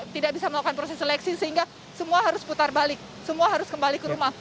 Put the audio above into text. tidak bisa melakukan proses seleksi sehingga semua harus putar balik semua harus kembali ke rumah